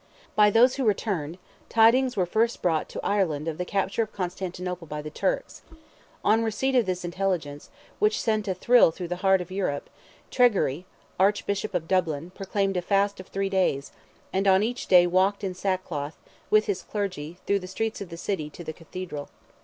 By those who returned tidings were first brought to Ireland of the capture of Constantinople by the Turks. On receipt of this intelligence, which sent a thrill through the heart of Europe, Tregury, Archbishop of Dublin, proclaimed a fast of three days, and on each day walked in sackcloth, with his clergy, through the streets of the city, to the Cathedral.